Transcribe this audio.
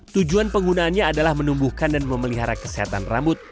tujuan penggunaannya adalah menumbuhkan dan memelihara kesehatan rambut